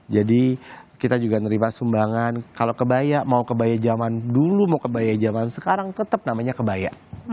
jadi kita juga nerima sumbangan kalau kebaya mau kebaya zaman dulu mau kebaya zaman sekarang tetap namanya kebaya